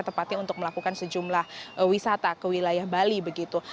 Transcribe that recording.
tepatnya untuk melakukan sejumlah wisata ke wilayah bali begitu